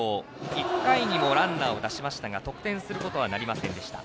１回にもランナーを出しましたが得点することはなりませんでした。